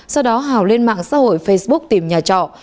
sau đó hào lên mạng xã hội facebook tìm nhà trọ